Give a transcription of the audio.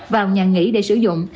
vào nhà nghỉ để sử dụng